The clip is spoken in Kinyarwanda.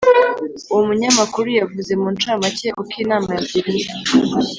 Uwo munyamakuru yavuze muncamake uko inama yagenze